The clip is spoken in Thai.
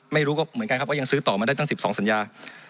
ไม่รู้ก็เหมือนกันครับก็ยังซื้อต่อมาได้ตั้ง๑๒สัญญา